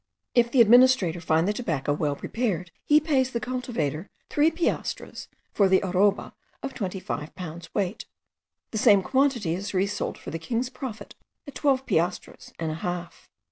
If the administrator find the tobacco well prepared, he pays the cultivator three piastres for the aroba of twenty five pounds weight. The same quantity is resold for the king's profit at twelve piastres and a half.